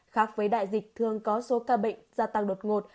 khác với đại dịch thường có số ca bệnh gia tăng đột ngột